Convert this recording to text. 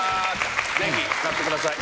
ぜひ使ってください